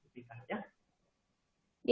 itu intinya aja